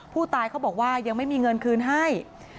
เขาบอกว่ายังไม่มีเงินคืนให้